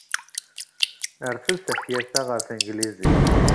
Rret-d tafyirt-a ɣer tanglizit.